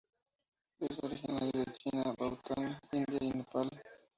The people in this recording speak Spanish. Es originaria de China, Bután, India y Nepal.